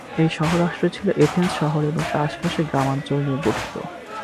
এই শহর-রাষ্ট্রটি ছিলো এথেন্স শহর এবং তার আশপাশের গ্রামাঞ্চল নিয়ে গঠিত।